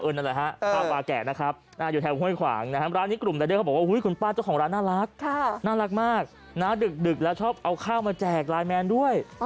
เอิ้นเอาปลาแก่แล้วก็ใส่ในข้าว